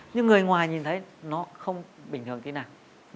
nhưng người ngoài nhìn thấy nó không bình thường thế nào